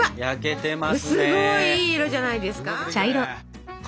すごいいい色じゃないですか！